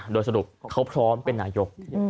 โดยสรุปเขาพร้อมเป็นนายก